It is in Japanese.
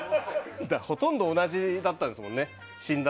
ほとんど同じだったんですもんね。